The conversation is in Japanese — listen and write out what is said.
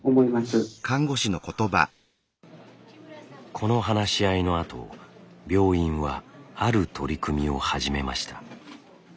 この話し合いのあと病院はある取り組みを始めました。